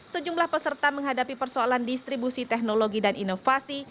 sejumlah peserta menghadapi persoalan distribusi teknologi dan inovasi